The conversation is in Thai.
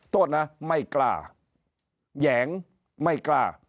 โทษนะไม่กล้าแหยงไม่กล้า